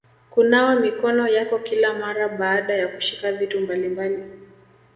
Kunawa mikono yako kila mara baada ya kushika vitu mbalimbali